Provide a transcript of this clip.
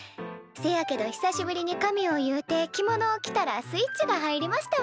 せやけど久しぶりに髪を結うて着物を着たらスイッチが入りましたわ。